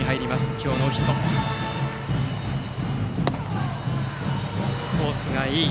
今日、ノーヒット。コースがいい。